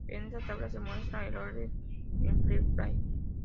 En esta tabla se muestra el orden en Free Play.